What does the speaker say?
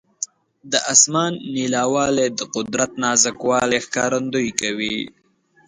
د اسمان نیلاوالی د قدرت نازک والي ښکارندویي کوي.